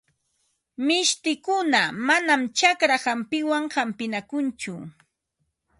Mishtikuna manam chakra hampiwan hampinakunchu.